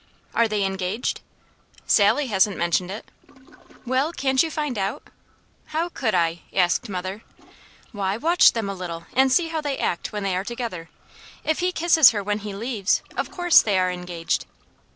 "Are they engaged?" "Sally hasn't mentioned it." "Well, can't you find out?" "How could I?" asked mother. "Why, watch them a little and see how they act when they are together. If he kisses her when he leaves, of course they are engaged."